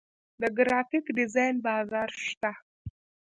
د ګرافیک ډیزاین بازار شته